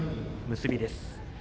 結びです。